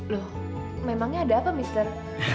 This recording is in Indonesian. loh memangnya ada apa mr